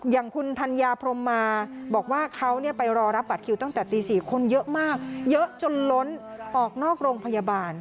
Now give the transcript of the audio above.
อย่างคุณธัญญาพรมมาบอกว่าเขาไปรอรับบัตรคิวตั้งแต่ตี๔คนเยอะมากเยอะจนล้นออกนอกโรงพยาบาล